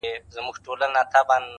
• د ورځي سور وي رسوایي پکښي,